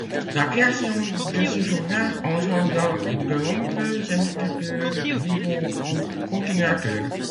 La création de ce journal engendra de nombreux imitateurs, rivaux ou continuateurs.